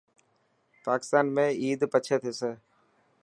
پاڪستان ۾ عيد پڇي ٿيسي.